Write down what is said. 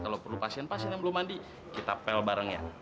kalau perlu pasien pasien yang belum mandi kita pel barengnya